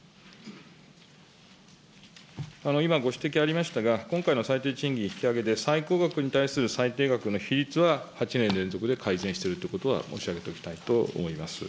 今、ご指摘ありましたが、今回の最低賃金引き上げで、最高額に対する最低額の比率は８年連続で改善しているということは申し上げておきたいと思います。